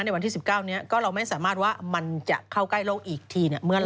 ในวันที่๑๙นี้ก็เราไม่สามารถว่ามันจะเข้าใกล้โลกอีกทีเนี่ยเมื่อไหร่